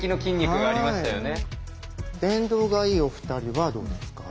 電動がいいお二人はどうですか？